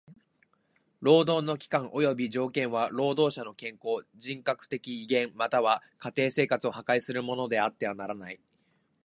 労働の期間および条件は労働者の健康、人格的威厳または家庭生活を破壊するものであってはならない。